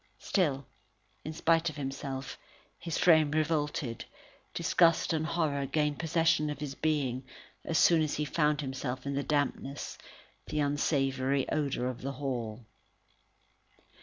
Still, in spite of himself, his frame revolted, disgust and terror gained possession of his being, as soon as ever he found himself in the dampness, and unsavoury odour of the hall.